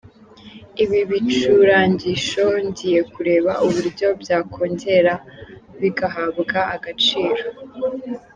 Ibi bicurangisho ngiye kureba uburyo byakongera bigahabwa agaciro.